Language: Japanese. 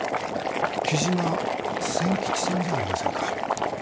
雉真千吉さんじゃありませんか？